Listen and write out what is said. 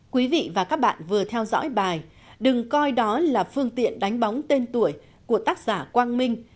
quý vị và các bạn vừa theo dõi bài đừng coi đó là phương tiện đánh bóng tên tuổi của tác giả quang minh